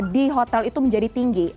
di hotel itu menjadi tinggi